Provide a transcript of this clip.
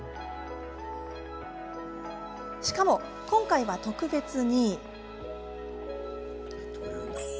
しかも今回は特別に。